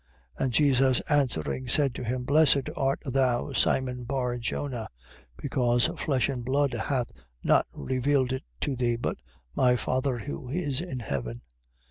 16:17. And Jesus answering said to him: Blessed art thou, Simon Bar Jona: because flesh and blood hath not revealed it to thee, but my Father who is in heaven.